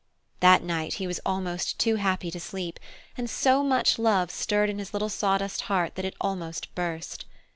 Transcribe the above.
That night he was almost too happy to sleep, and so much love stirred in his little sawdust heart that it almost burst.